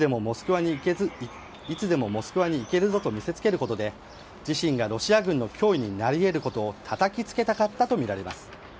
いつでもモスクワに行けるぞと見せつけることで自身がロシア軍の脅威になり得ることをたたきつけたかったとみられます。